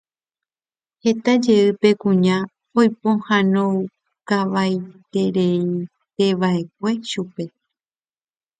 Heta jey upe kuña oipohãnoukavaieteva'ekue chupe.